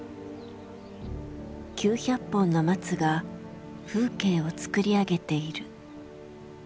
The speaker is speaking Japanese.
９００本の松が風景を作り上げている。